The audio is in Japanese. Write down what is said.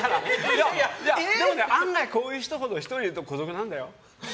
案外、こういう人ほど１人でいると孤独なんだよ。